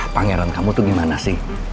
pangeran kamu tuh gimana sih